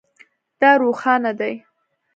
دا روښانه دی